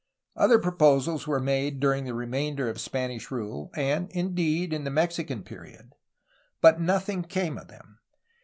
Other proposals were made during the remainder of Spanish rule and, indeed, in the Mexican period, but nothing came of them.